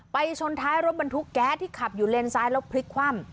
ชนท้ายรถบรรทุกแก๊สที่ขับอยู่เลนซ้ายแล้วพลิกคว่ำ